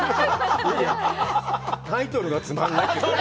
タイトルがつまんないって。